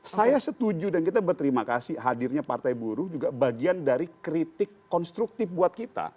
saya setuju dan kita berterima kasih hadirnya partai buruh juga bagian dari kritik konstruktif buat kita